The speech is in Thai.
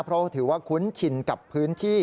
เพราะถือว่าคุ้นชินกับพื้นที่